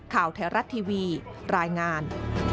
ข่าวไทยรัฐทีวีรายงาน